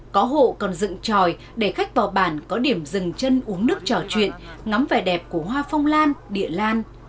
có hộ còn dựng tròi để khách vào bản có điểm dừng chân uống nước trò chuyện ngắm vẻ đẹp của hoa phong lan địa lan